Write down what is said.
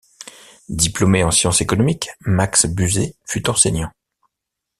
Diplômé en sciences économiques, Max Buset fut enseignant.